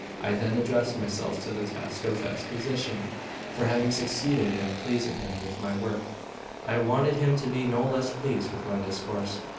I then addressed myself to the task of exposition; for having succeeded in pleasing him with my work, I wanted him to be no less pleased with my discourse.